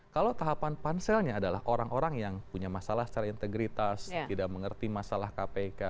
kalau tahapan panselnya adalah orang orang yang punya masalah secara integritas tidak mengerti masalah kpk